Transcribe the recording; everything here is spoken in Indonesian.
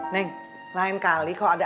neng lain kali kalo ada